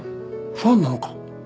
ファンなのか？